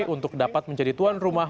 untuk dapat menjadi tuan rumah